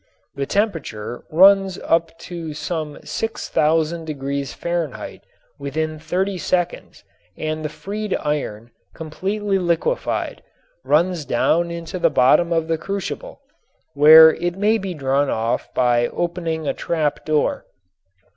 The temperature runs up to some 6000 degrees Fahrenheit within thirty seconds and the freed iron, completely liquefied, runs down into the bottom of the crucible, where it may be drawn off by opening a trap door.